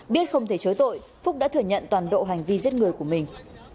biết không thể chối tội phúc đã thừa nhận toàn bộ hành vi giết người của mình